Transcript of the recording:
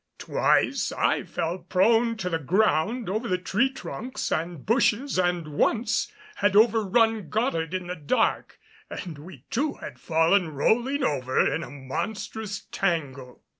Twice I fell prone to the ground over the tree trunks and bushes, and once had overrun Goddard in the dark and we two had fallen, rolling over in a monstrous tangle.